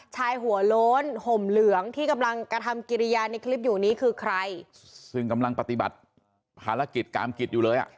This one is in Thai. ชายหัวโล้นห่มเหลืองที่กำลังกระทำกิริยาในคลิปอยู่นี้คือใครซึ่งกำลังปฏิบัติภารกิจกามกิจอยู่เลยอ่ะ